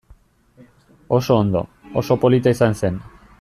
Oso ondo, oso polita izan zen.